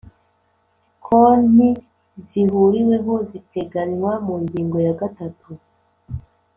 konti zihuriweho ziteganywa mu ngingo ya gatatu